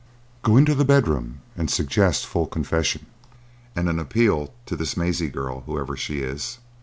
Go into the bedroom and suggest full confession and an appeal to this Maisie girl, whoever she is.